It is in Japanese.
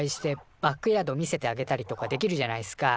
バックヤード見せてあげたりとかできるじゃないっすか。